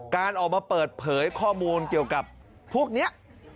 การออกมาเปิดเผยข้อมูลเกี่ยวกับพวกนี้